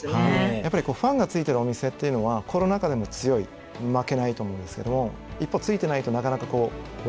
やっぱりファンがついてるお店っていうのはコロナ禍でも強い負けないと思うんですけども一方ついてないとなかなかこう忘れられてしまう。